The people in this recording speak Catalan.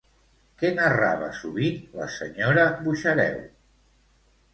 Què narrava sovint la senyora Buxareu?